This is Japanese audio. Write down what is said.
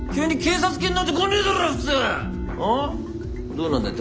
どうなんだよ